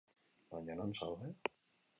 Baina, non daude?